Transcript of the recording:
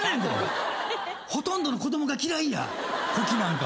ほとんどの子供が嫌いやふきなんか。